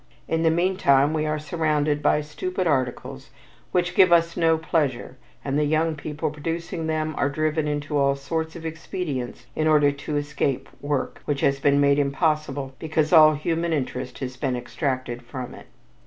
In the meantime we are surrounded by stupid articles which give us no pleasure, and the young people producing them are driven into all sorts of expedients in order to escape work which has been made impossible because all human interest has been extracted from it.